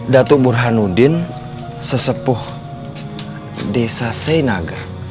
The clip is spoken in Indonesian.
datuk burhanuddin sesepuh desa sainaga